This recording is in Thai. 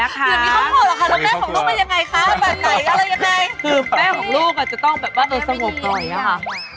คือแม่ของลูกจะต้องโดยสงบหน่อยนะคะ